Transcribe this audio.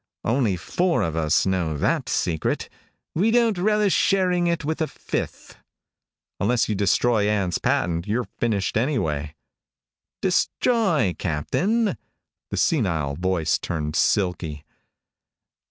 Only four of us know that secret. We don't relish sharing it with a fifth." "Unless you destroy Ann's patent, you're finished anyway." "Destroy, Captain?" The senile voice turned silky.